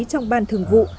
trong ban thường vụ